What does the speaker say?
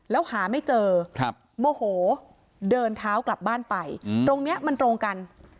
แล้วหาไม่เจอโมโหเดินเท้ากลับบ้านไปตรงนี้มันตรงกัน